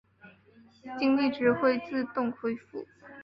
精力值会自动恢复。